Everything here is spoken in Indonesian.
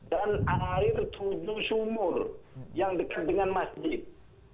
dan air tujuh sumur yang dekat dengan masjid